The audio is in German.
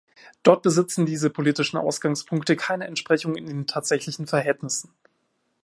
Dort besitzen diese politischen Ausgangspunkte keine Entsprechung in den tatsächlichen Verhältnissen.